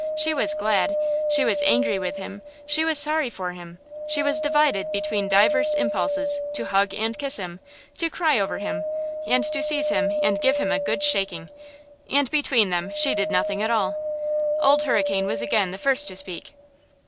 She was glad; she was angry with him; she was sorry for him; she was divided between divers impulses to hug and kiss him, to cry over him, and to seize him and give him a good shaking! And between them she did nothing at all. Old Hurricane was again the first to speak.